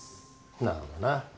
なるほどな。